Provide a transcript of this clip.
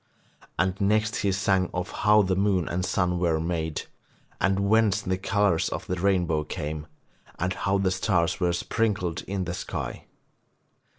And next he sang of how the moon and sun were made, and whence the colours of the rainbow came, and how the stars were sprinkled in the sky.